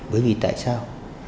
bởi vì tại sao